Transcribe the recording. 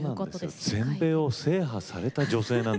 全米を制覇された女性です。